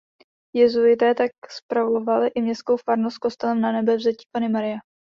Jezuité tak spravovali i městskou farnost s kostelem Nanebevzetí Panny Marie.